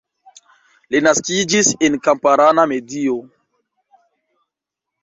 Li naskiĝis en kamparana medio.